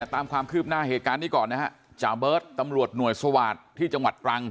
ตามความคืบหน้าเหตุการณ์นี้ก่อนนะฮะจ่าเบิร์ตตำรวจหน่วยสวาสตร์ที่จังหวัดตรัง